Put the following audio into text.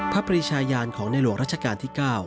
ปริชายานของในหลวงรัชกาลที่๙